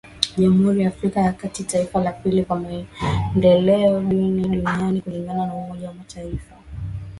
Jamhuri ya Afrika ya kati, taifa la pili kwa maendeleo duni duniani kulingana na umoja wa mataifa